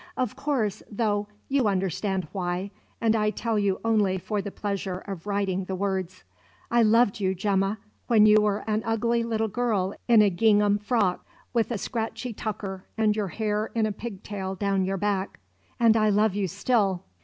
Of course, though, you understand why, and I tell you only for the pleasure of writing the words. I loved you, Gemma, when you were an ugly little girl in a gingham frock, with a scratchy tucker and your hair in a pig tail down your back; and I love you still.